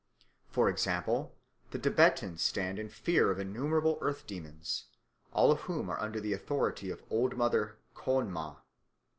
For example, the Tibetans stand in fear of innumerable earth demons, all of whom are under the authority of Old Mother Khön ma.